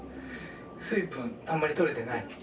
水分、あんまりとれてない？